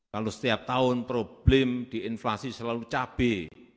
kalau setiap tahun problem di inflasi selalu cabai